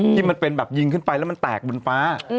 ที่เป็นแบบยิงขึ้นไปแล้วมันแตกบนฟ้า